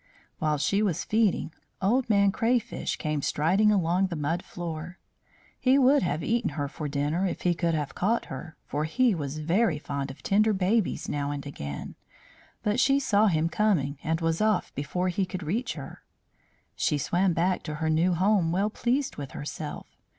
While she was feeding, Old Man Crayfish came striding along the mud floor. He would have eaten her for dinner if he could have caught her, for he was very fond of tender babies now and again. But she saw him coming, and was off before he could reach her. She swam back to her new home, well pleased with herself.